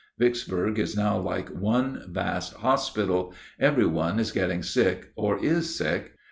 Vicksburg is now like one vast hospital every one is getting sick or is sick.